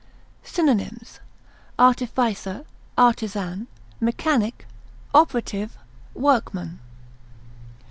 Synonyms: artificer, artisan, mechanic, operative, workman.